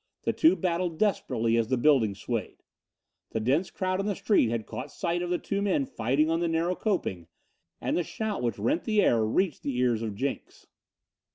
The two battled desperately as the building swayed. The dense crowd in the street had caught sight of the two men fighting on the narrow coping, and the shout which rent the air reached the ears of Jenks.